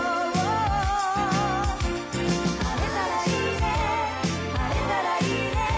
「晴れたらいいね晴れたらいいね」